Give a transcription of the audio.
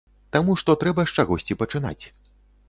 Таму што трэба з чагосьці пачынаць.